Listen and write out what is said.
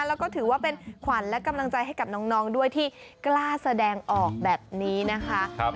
แล้วก็ถือว่าเป็นขวัญและกำลังใจให้กับน้องด้วยที่กล้าแสดงออกแบบนี้นะคะ